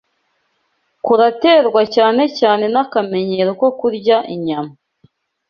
kuraterwa cyane cyane n’akamenyero ko kurya inyama.